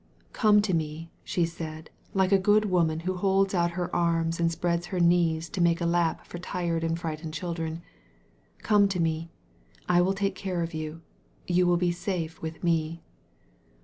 Come to me," she said, like a good woman who holds out her arms and spreads her knees to make a lap for tired and frightened children, "come to me. I will take care of you. You shall be safe with me.